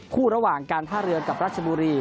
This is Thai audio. ระหว่างการท่าเรือกับราชบุรี